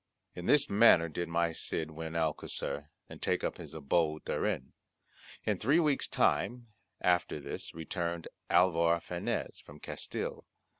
In this manner did my Cid win Alcocer, and take up his abode therein. In three weeks time after this returned Alvar Fanez from Castille.